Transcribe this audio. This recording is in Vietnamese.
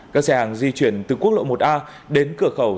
các xe hàng di chuyển từ quốc lộ một a đến cửa khẩu